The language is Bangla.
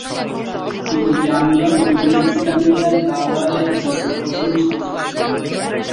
তিনি জামিয়া উলুমুল ইসলামিয়ার দাওরায়ে হাদিসের প্রথম ছাত্র ছিলেন।